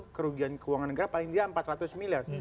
kerugian keuangan negara paling tidak empat ratus miliar